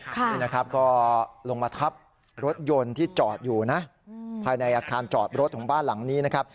นี่นะครับก็ลงมาทับรถยนต์ที่จอดอยู่นะภายในอาคารจอดรถของบ้านหลังนี้นะครับ